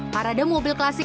parada mobil klasik